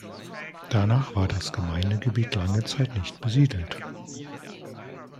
Danach war das Gemeindegebiet lange Zeit nicht besiedelt.